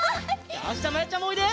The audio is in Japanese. よしまやちゃんもおいで！